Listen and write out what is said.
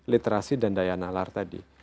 literasi dan daya nalar tadi